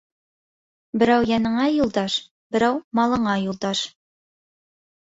Берәү йәнеңә юлдаш, берәү малыңа юлдаш.